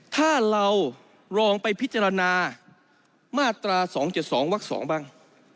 ถ้าเราลองไปพิจารณามาตรา๒๗๒วัก๒บ้าง